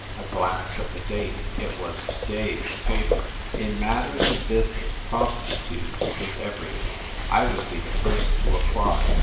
A glance at the date : it was to day's paper ! In matters of business, promptitude is every thing. I would be the first to apply.